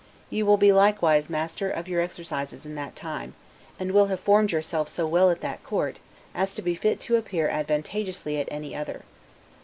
You will be likewise master of your exercises in that time; and will have formed yourself so well at that court, as to be fit to appear advantageously at any other.